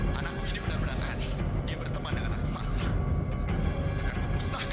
biar aku meraksasa yang ngasih pelajaran orang jahat itu